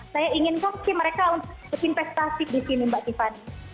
saya ingin kasih mereka untuk investasi di sini mbak tiffany